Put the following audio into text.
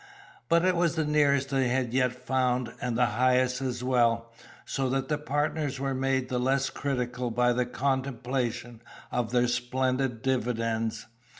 But it was the nearest they had yet found, and the highest as well, so that the partners were made the less critical by the contemplation of their splendid dividends.